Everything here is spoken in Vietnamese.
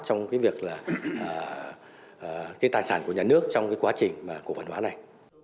trong cái việc là cái tài sản của nhà nước trong cái quá trình của văn hóa này